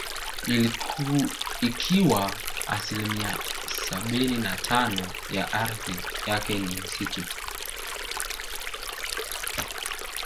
Ikiwa asilimia sabini na tano ya ardhi yake ni misitu